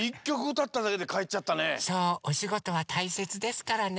おしごとはたいせつですからね。